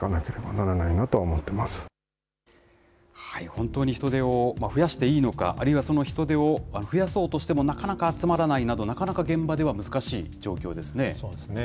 本当に人手を増やしていいのか、あるいはその人手を増やそうとしてもなかなか集まらないなど、なかなか現場では難しい状況ですね。